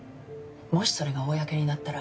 もしそれが公になったら。